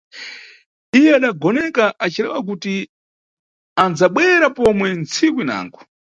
Iye adagoneka acilewa kuti andzabwera pomwe ntsiku inango.